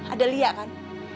ada lia kan